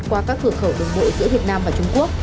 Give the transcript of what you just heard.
qua các cửa khẩu đường bộ giữa việt nam và trung quốc